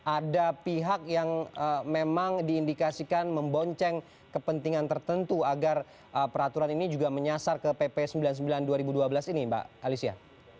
ada pihak yang memang diindikasikan membonceng kepentingan tertentu agar peraturan ini juga menyasar ke pp sembilan puluh sembilan dua ribu dua belas ini mbak alicia